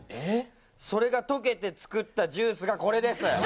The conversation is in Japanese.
それが溶けて作ったジュースがこれです。